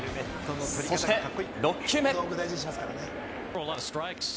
そして６球目。